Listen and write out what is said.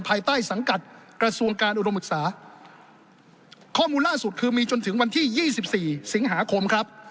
ภายใต้สังกัดกระทรวงการอุดมศึกษาข้อมูลล่าสุดคือมีจนถึงวันที่ยี่สิบสี่สิงหาคมครับ